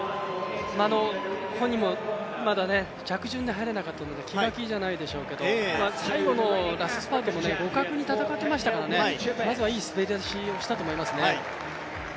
本人もまだ、着順で入れなかったことが気が気じゃないでしょうけど最後のラストスパートも互角に戦っていましたからまずはいい滑り出しをしたと思います。